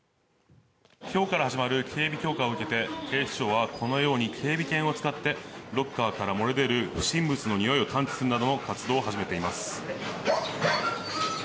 今日から始まる警備強化を受けて警視庁はこのように警備犬を使ってロッカーから漏れ出る不審物のにおいを探知するなどの活動を始めています。